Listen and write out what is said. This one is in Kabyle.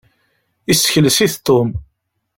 Isekles-it Tom.